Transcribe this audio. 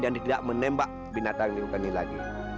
dan tidak akan menembak binatang di hutan ini lagi